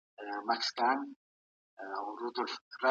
ایا کورني سوداګر خندان پسته پروسس کوي؟